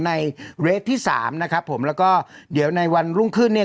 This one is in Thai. ในเวทที่สามนะครับผมแล้วก็เดี๋ยวในวันรุ่งขึ้นเนี่ย